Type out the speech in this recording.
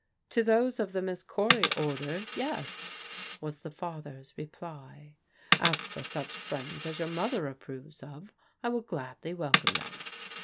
" To those of the Miss Cory order, yes," was the fa ther's reply. "As for such friends as your mother ap proves of, I will gladly welcome them.